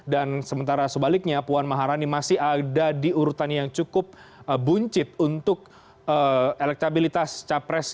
dan sementara sebaliknya puan maharani masih ada di urutan yang cukup buncit untuk elektabilitas capres